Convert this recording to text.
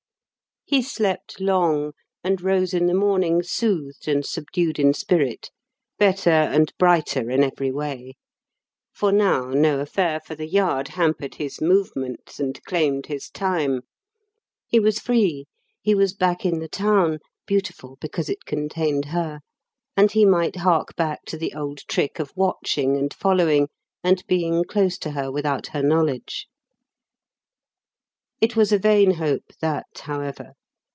He slept long, and rose in the morning soothed and subdued in spirit better and brighter in every way; for now no affair, for The Yard hampered his movements and claimed his time. He was free; he was back in the Town beautiful because it contained her and he might hark back to the old trick of watching and following and being close to her without her knowledge. It was a vain hope that, however.